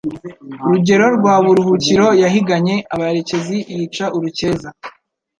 Rugero rwa Buruhukiro yahiganye abarekezi yica urukeza